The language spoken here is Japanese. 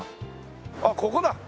あっここだ！